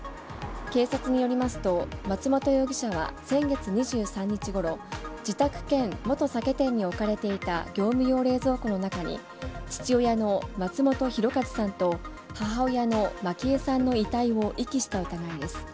警察によりますと、松本容疑者は先月２３日ごろ、自宅兼元酒店に置かれていた業務用冷蔵庫の中に、父親の松本博和さんと、母親の満喜枝さんの遺体を遺棄した疑いです。